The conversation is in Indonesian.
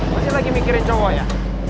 pasti lagi mikirin cowok ya